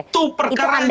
itu perkara perkara ini